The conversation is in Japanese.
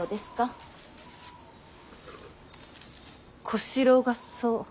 小四郎がそう。